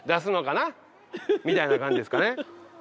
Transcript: みたいな感じですかね。